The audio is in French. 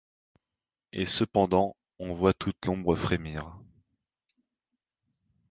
Et cependant, on voit toute -l'ombre frémir, -